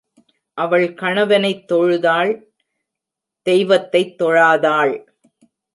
அவள் கணவனைத் தொழுதாள் தெய்வத்தைத் தொழாதாள்.